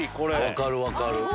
分かる分かる。